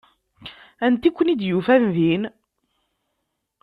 Anta i ken-id-yufan din?